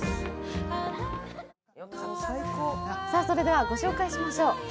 それではご紹介しましょう。